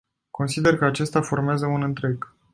Consider că acesta formează un întreg.